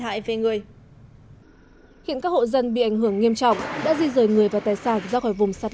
hại về người hiện các hộ dân bị ảnh hưởng nghiêm trọng đã di rời người và tài sản ra khỏi vùng sạt